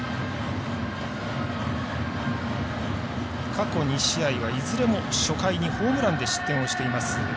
過去２試合はいずれも初回にホームランで失点をしています